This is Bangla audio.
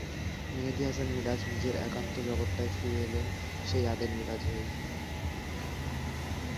মেহেদী হাসান মিরাজ নিজের একান্ত জগৎটায় ফিরে এলেন সেই আগের মিরাজ হয়েই।